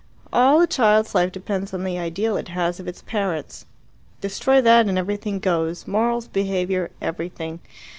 All a child's life depends on the ideal it has of its parents. Destroy that and everything goes morals, behaviour, everything.